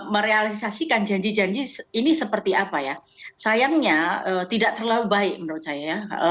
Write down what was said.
merealisasikan janji janji ini seperti apa ya sayangnya tidak terlalu baik menurut saya